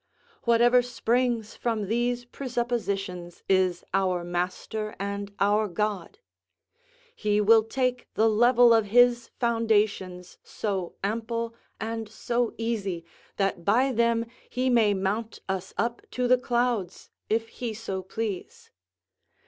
Whatever springs from these presuppositions is our master and our God; he will take the level of his foundations so ample and so easy that by them he may mount us up to the clouds, if he so please.